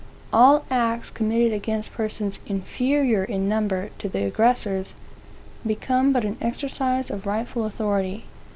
All acts committed against persons inferior in number to the aggressors, become but the exercise at rightful authority.